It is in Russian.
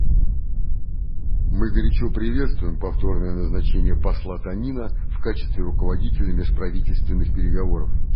Мы горячо приветствуем повторное назначение посла Танина в качестве руководителя межправительственных переговоров.